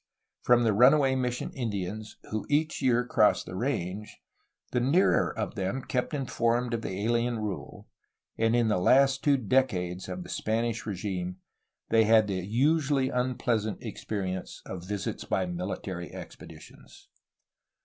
From the runaway mission Indians who each year crossed the range the nearer of them kept informed of the alien rule, and in the last two decades of the Spanish regime they had the usually unpleasant experience of visits by military expeditions.